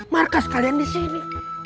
markas kalian di sini